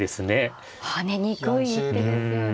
跳ねにくい一手ですよね。